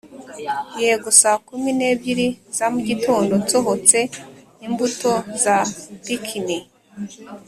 yego saa kumi n'ebyiri za mugitondo nsohotse imbuto za pickin